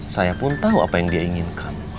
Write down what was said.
saya pun tahu apa yang dia inginkan